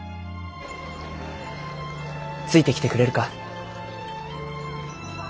ついてきてくれるか。